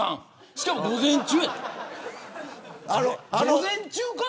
しかも午前中やで。